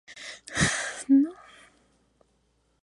Destaca el mirador desde el que puede ser vista Segovia.